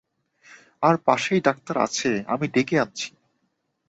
আরে পাশেই ডাক্তার আছে, আমি ডেকে আনছি।